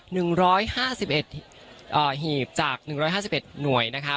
หนึ่งร้อยห้าสิบเอ็ดอ่าหีบจากหนึ่งร้อยห้าสิบเอ็ดหน่วยนะคะ